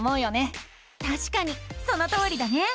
たしかにそのとおりだね！